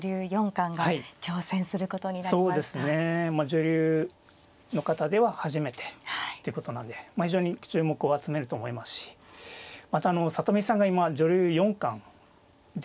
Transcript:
女流の方では初めてってことなんで非常に注目を集めると思いますしまたあの里見さんが今女流四冠でありますし